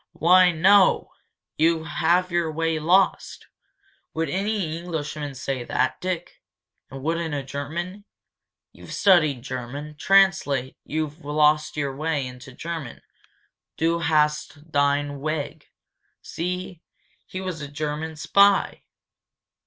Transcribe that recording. "Why, no " "You have your way lost!' Would any Englishman say that, Dick? And wouldn't a German? You've studied German. Translate 'You've lost your way' into German. 'Du hast dein weg ' See? He was a German spy!"